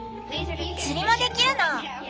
釣りもできるの。